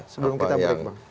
sebelum kita break pak